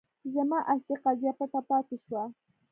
زما اصلي قضیه پټه پاتې شوه.